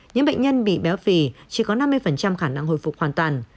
những bệnh nhân bị béo phì chỉ có năm mươi khả năng hồi phục hoàn toàn